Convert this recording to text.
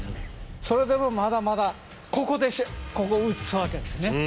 それでもまだまだここでここを打つわけですね。